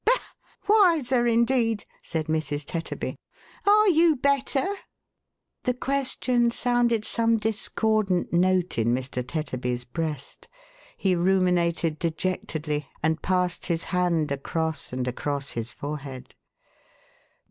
" Bah ! wiser, indeed !" said Mrs. Tetterby. " Are you better ?" The question sounded some discordant note in Mr. Tetterby's breast. He ruminated dejectedly, and passed his hand across and across his forehead.